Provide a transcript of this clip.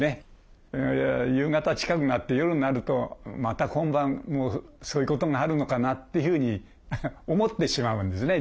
夕方近くなって夜になるとまた今晩もそういうことがあるのかなっていうふうに思ってしまうんですね